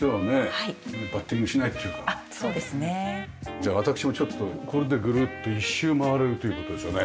じゃあ私もちょっとこれでぐるっと一周回れるという事ですよね。